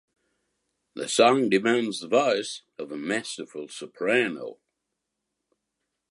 The song demands the voice of a masterful soprano.